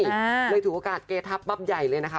อ่าเลยถูกโอกาสเกรททัพบ้ำใหญ่เลยนะคะ